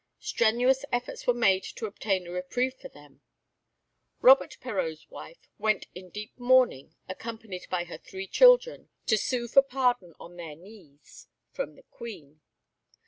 Strenuous efforts were made to obtain a reprieve for them. Robert Perreau's wife went in deep mourning, accompanied by her three children, to sue for pardon on their knees from the Queen.